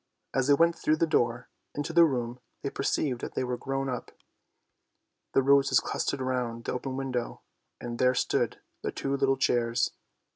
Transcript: As they went through the door into the room they perceived that they were grown up. The roses clustered round the open window, and there stood their two little chairs.